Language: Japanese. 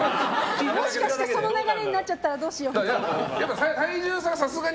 もしかしてその流れになっちゃったらどうしようって。